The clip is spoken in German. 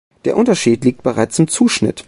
Der Unterschied liegt bereits im Zuschnitt.